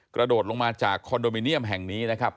กระโดดลงมาจากคอนโดมิเนียมแห่งนี้นะครับ